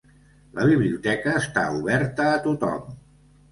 La biblioteca està oberta a tothom.